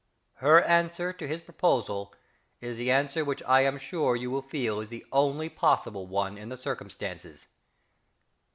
Her answer to his proposal is the answer which I am sure you will feel is the only possible one in the circumstances.